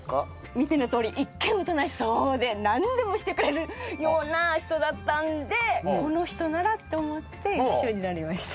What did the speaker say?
見てのとおり一見おとなしそうでなんでもしてくれるような人だったんでこの人ならって思って一緒になりました。